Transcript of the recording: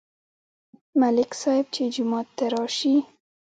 ملک صاحب چې جومات ته راشي.